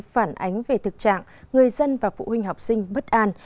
phản ánh về thực trạng người dân và phụ huynh học sinh bất an